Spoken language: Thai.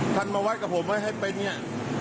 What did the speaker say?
ท่านมาวัดกับผมไว้ให้เป็นเนี่ย